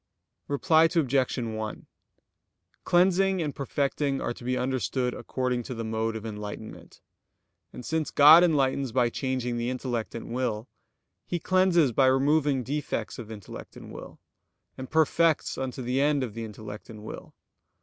Reply Obj. 1: Cleansing and perfecting are to be understood according to the mode of enlightenment. And since God enlightens by changing the intellect and will, He cleanses by removing defects of intellect and will, and perfects unto the end of the intellect and will.